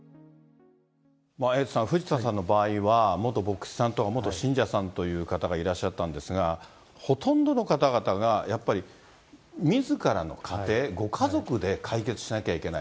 エイトさん、藤田さんの場合は、元牧師さんとか元信者さんという方がいらっしゃったんですが、ほとんどの方々がやっぱり、みずからの家庭、ご家族で解決しなきゃいけない。